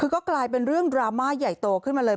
คือก็กลายเป็นเรื่องดราม่าใหญ่โตขึ้นมาเลย